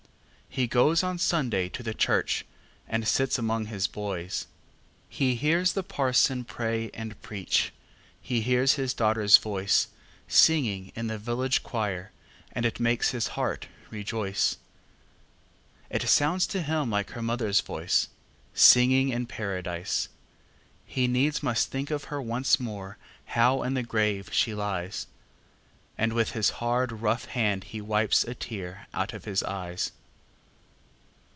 He goes on Sunday to the church, And sits among his boys; He hears the parson pray and preach, He hears his daughter's voice, Singing in the village choir, And it makes his heart rejoice. It sounds to him like her mother's voice, Singing in Paradise! He needs must think of her once more How in the grave she lies; And with his hard, rough hand he wipes A tear out of his eyes.